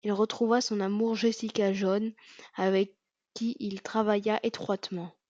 Il retrouva son amour Jessica Jones, avec qui il travailla étroitement.